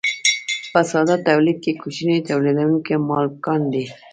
په ساده تولید کې کوچني تولیدونکي مالکان دي.